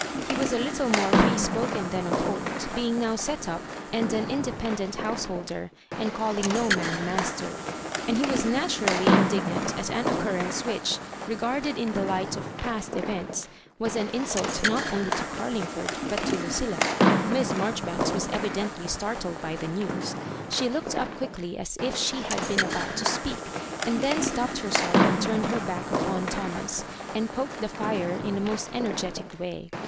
He was a little more free spoken than of old, being now set up, and an independent house holder, and calling no man master ; and he was naturaJly indignant at an occurrence which, re garded in the light of past eyents, was an insult not only to Oarlingford, but to Ludlla. Miss Marjoribanks was eyldently startled by the news. She looked up quiddy as if she had been about to speak, and then stopped herself and turned her back upon Thomas, and poked the fire in a most energetic way.